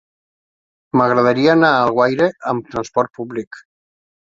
M'agradaria anar a Alguaire amb trasport públic.